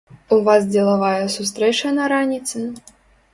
У вас дзелавая сустрэча на раніцы?